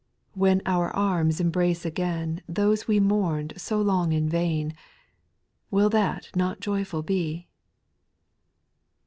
When our arms embrace again Those we mourned so long in vain, Will that not joyful be